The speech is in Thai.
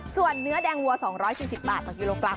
ส่วนเนื้อแดงวัว๒๔๐บาทต่อกิโลกรัม